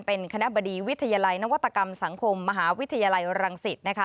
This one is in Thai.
เป็นคณะบดีวิทยาลัยนวัตกรรมสังคมมหาวิทยาลัยรังสิตนะคะ